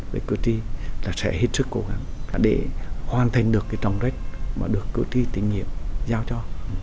với cử tri là sẽ hết sức cố gắng để hoàn thành được cái trọng trách mà được cử tri tình nghiệp giao cho